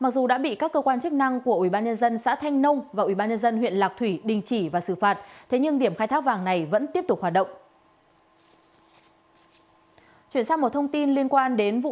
mặc dù đã bị các cơ quan chức năng của ubnd xã thanh nông và ubnd huyện lạc thủy đình chỉ và xử phạt thế nhưng điểm khai thác vàng này vẫn tiếp tục hoạt động